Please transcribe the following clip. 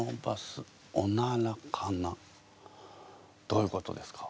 どういうことですか？